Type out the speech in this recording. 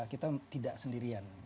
kita tidak sendirian